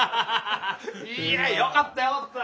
いやよかったよかった。